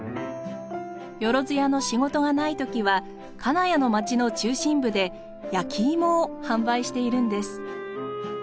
よろづやの仕事がないときは金谷の町の中心部で焼き芋を販売しているんです。